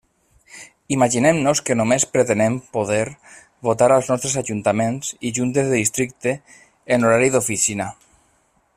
Imaginem-nos que només pretenem poder votar als nostres ajuntaments i juntes de districte en horari d'oficina.